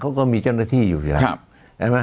เขาก็มีเจ้าหน้าที่อยู่ที่หลัง